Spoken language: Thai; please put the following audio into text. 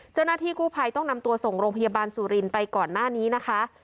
เจ้าหน้าที่กู้ภัยต้องนำตัวส่งโรงพยาบาลสุรินทร์ไปก่อนหน้านี้นะคะ